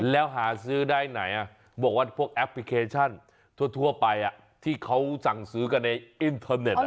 แล้วหาซื้อได้ไหนบอกว่าพวกแอปพลิเคชันทั่วไปที่เขาสั่งซื้อกันในอินเทอร์เน็ต